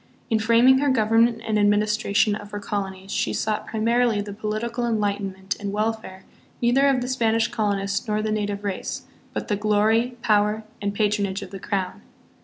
In framing her government and administration of her colo nies, she sought primarily the political enlightenment and welfare neither of the Spanish colonist nor the native race, but the glory, power, and patronage of the crown.